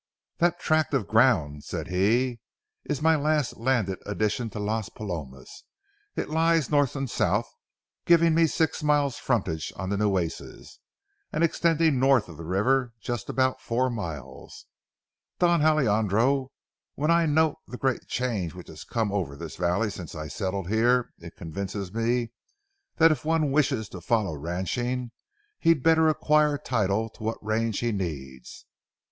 "That tract of ground," said he, "is my last landed addition to Las Palomas. It lies north and south, giving me six miles' frontage on the Nueces. and extending north of the river about four miles, Don Alejandro, when I note the great change which has come over this valley since I settled here, it convinces me that if one wishes to follow ranching he had better acquire title to what range he needs.